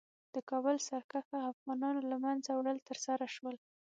د کابل سرکښه افغانانو له منځه وړل ترسره شول.